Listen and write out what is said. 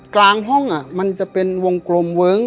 กลางห้องมันจะเป็นวงกลมเวิ้ง